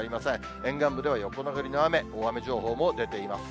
沿岸部では横殴りの雨、大雨情報も出ています。